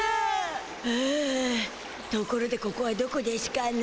ふうところでここはどこでしゅかね？